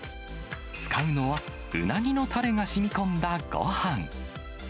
使うのはウナギのたれがしみこんだごはん。